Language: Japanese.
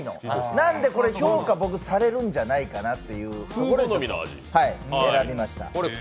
なんでこれ、評価されるんじゃないかということで選びました。